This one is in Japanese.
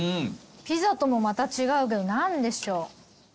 ピザともまた違うけど何でしょう。